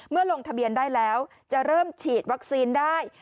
ลงทะเบียนได้แล้วจะเริ่มฉีดวัคซีนได้